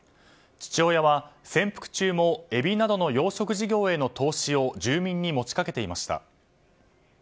父親は潜伏中もエビなどの養殖事業への投資を住民に持ち掛けていました。